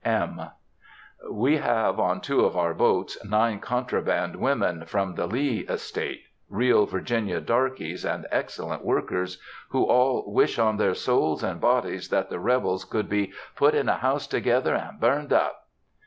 (M.) We have on two of our boats nine contraband women, from the Lee estate,—real Virginia "darkies," and excellent workers,—who all "wish on their souls and bodies" that the Rebels could be "put in a house together and burned up."